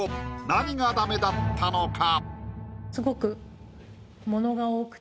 何がダメだったのか？